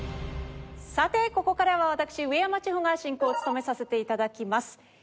さてここからは私上山千穂が進行を務めさせて頂きます。